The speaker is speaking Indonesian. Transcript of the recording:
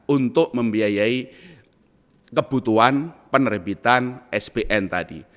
untuk membiayai kebutuhan penerbitan spn tadi